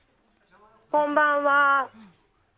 こんばんは。